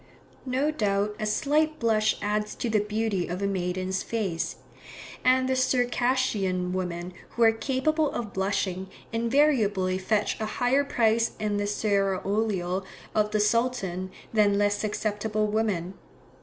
No doubt a slight blush adds to the beauty of a maiden's face; and the Circassian women who are capable of blushing, invariably fetch a higher price in the seraolio of the Sultan than less susceptible women.